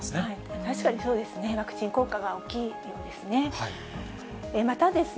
確かにそうですね、ワクチンの効果は大きいようですね。